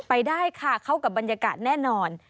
ไปได้ค่ะเข้ากับบรรยากาศแน่นอน